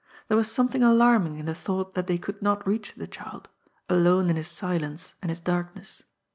There was something alarming in the thought that they could not reach the child — alone in his silence and his darkness.